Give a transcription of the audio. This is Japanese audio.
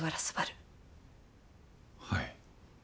はい。